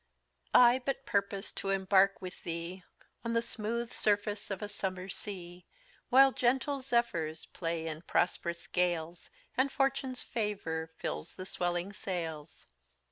"I but purpose to embark with thee On the smooth surface of a summer sea, While gentle zephyrs play in prosp 'rous gales, And Fortune's favour fills the swelling sails."